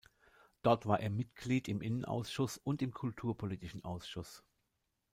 Dort war er Mitglied im Innenausschuss und im kulturpolitischen Ausschuss.